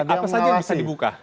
apa saja yang bisa dibuka